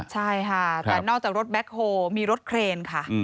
ใช่ค่ะแต่นอกจากรถแบ็คโฮมีรถเครนค่ะ